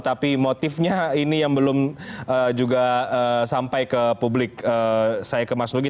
tapi motifnya ini yang belum juga sampai ke publik saya ke mas nugi